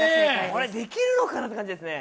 これできるのかなって感じですね。